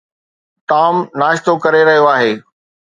Tom ناشتو ڪري رهيو آهي.